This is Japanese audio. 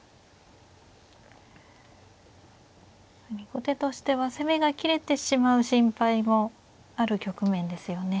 後手としては攻めが切れてしまう心配もある局面ですよね。